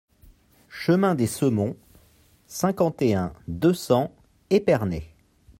Chemin des Semonts, cinquante et un, deux cents Épernay